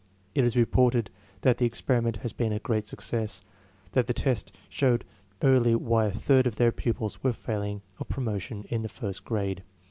It is re ported that the experiment has been a great success; that the tests showed clearly why a third of their pu pils were f ailing of promotion in the first grade.